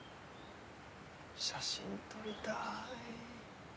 写真撮りたい。